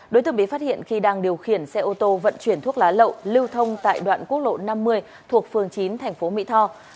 đối tượng bị phát hiện khi đang điều khiển xe ô tô vận chuyển thuốc lá lậu lưu thông tại đoạn quốc lộ năm mươi thuộc phường chín thành phố mỹ tho